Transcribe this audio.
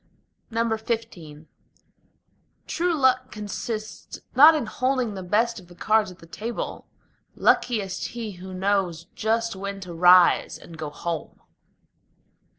XV True luck consists not in holding the best of the cards at the table: Luckiest he who knows just when to rise and go home.